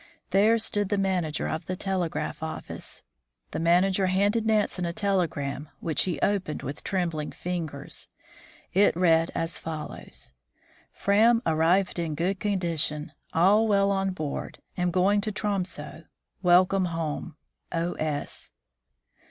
There stood the manager of the telegraph office. The manager handed Nansen a telegram, which he opened with trembling fingers. It read as follows :—" Fram arrived in good, condition. All well on board. Am going to Tromso. Welcome home. O. S."